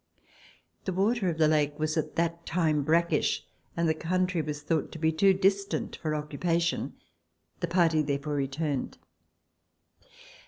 The water of the lake was at that time brackish, and the country was thought to be too distant for occupation ; the party therefore returned.